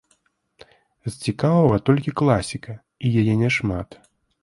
З цікавага толькі класіка, і яе няшмат.